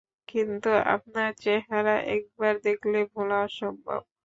কিন্তু আপনার চেহারা একবার দেখলে ভুলা অসম্ভব।